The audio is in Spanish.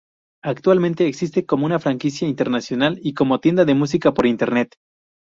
Actualmente existe como una franquicia internacional y como tienda de música por Internet.